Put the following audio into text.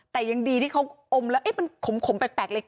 แต่ยังดีที่เขาอมแล้วมันขมแปลกเลย